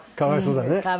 かわいそうだね。